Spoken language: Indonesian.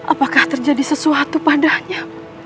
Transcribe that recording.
apakah terjadi sesuatu padanya